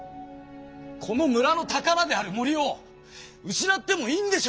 この村のたからである森を失ってもいいんでしょうか？